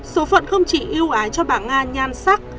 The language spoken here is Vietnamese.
số phận không chỉ yêu ái cho bà nga nhan sắc